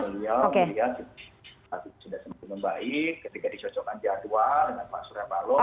beliau melihat sudah sempat membaik ketika disocokkan jadwal dengan pak suryapalo